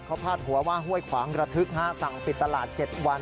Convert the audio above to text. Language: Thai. เขาพาดหัวว่าห้วยขวางระทึกสั่งปิดตลาด๗วัน